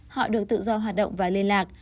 họ được tự do hoạt động và liên lạc